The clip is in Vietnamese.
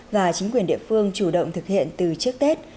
và chính quyền địa phương chủ động thực hiện từ trước tết